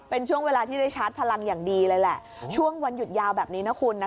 เป็นช่วงเวลาที่ได้ชาร์จพลังอย่างดีเลยแหละช่วงวันหยุดยาวแบบนี้นะคุณนะ